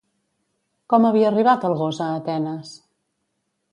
Com havia arribat el gos a Atenes?